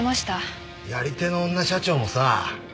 やり手の女社長もさ